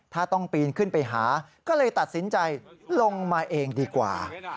ถ้าต้องปีนขึ้นไปหาก็เลยตัดสินใจลงมาเองดีกว่า